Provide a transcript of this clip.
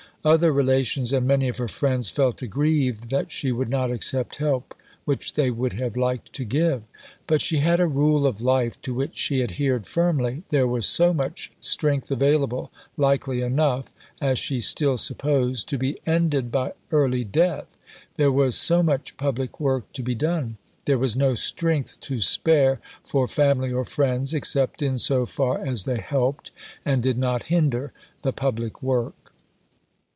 Other relations and many of her friends felt aggrieved that she would not accept help which they would have liked to give. But she had a rule of life to which she adhered firmly. There was so much strength available, likely enough (as she still supposed) to be ended by early death; there was so much public work to be done; there was no strength to spare for family or friends, except in so far as they helped, and did not hinder, the public work.